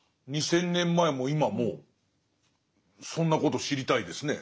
２，０００年前も今もそんなこと知りたいですね。